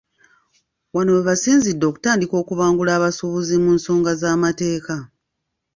Wano we basinzidde okutandika okubangula abasuubuzi mu nsonga z'amateeka.